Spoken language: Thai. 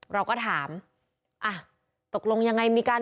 เราก็ถามอ่ะตกลงยังไงมีการ